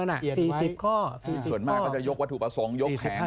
ส่วนมากก็จะยกวัตถุประสงค์ยกแขน